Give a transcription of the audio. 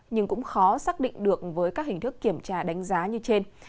nhưng cũng khó xác định được với các hình thức kiểm tra đánh giá như trên